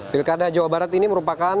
pilkada jawa barat ini merupakan